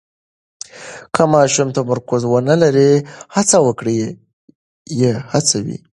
که ماشوم تمرکز ونلري، هڅه وکړئ یې هڅوئ.